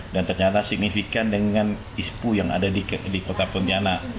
dan ternyata signifikan dengan ispu yang ada di kota pontianak